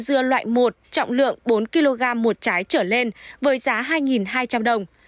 dưa loại một trọng lượng bốn kg một trái trở lên với giá hai hai trăm linh đồng